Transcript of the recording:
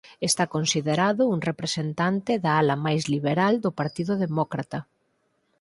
Está considerado un representante da ala máis liberal do Partido Demócrata.